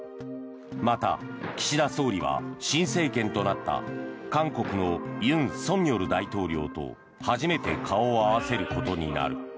また、岸田総理は新政権となった韓国の尹錫悦大統領と初めて顔を合わせることになる。